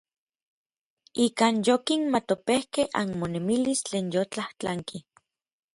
Ikan yonkimatopejkej anmonemilis tlen yotlajtlanki.